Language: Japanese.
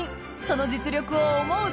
その実力を思う